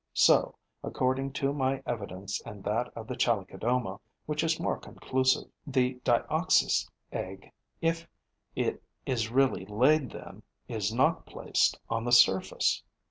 So, according to my evidence and that of the Chalicodoma, which is more conclusive, the Dioxys's egg, if it is really laid then, is not placed on the surface.